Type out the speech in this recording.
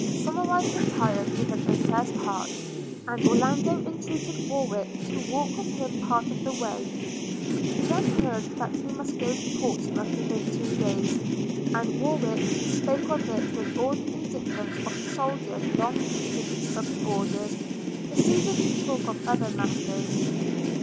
Somerive retired with an oppressed heart; and Orlando entreated Warwick to walk with him part of the way. He then heard that he must go to Portsmouth within two days; and Warwick, who spoke of it with all the indifference of a soldier long used to these sudden orders, proceeded to talk of other matters.